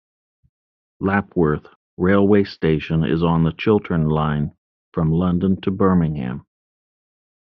Lapworth railway station is on the Chiltern line from London to Birmingham.